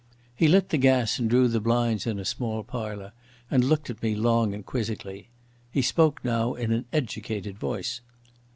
He lit the gas and drew the blinds in a small parlour and looked at me long and quizzically. He spoke now in an educated voice.